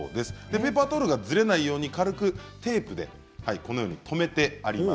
ペーパータオルがずれないように軽くテープで留めてあります。